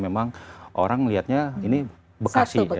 karena orang melihatnya ini bekasi